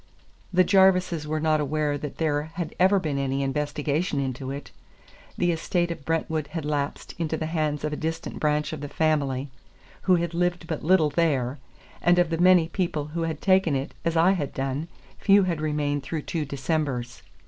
The Jarvises were not aware that there had ever been any investigation into it. The estate of Brentwood had lapsed into the hands of a distant branch of the family, who had lived but little there; and of the many people who had taken it, as I had done, few had remained through two Decembers.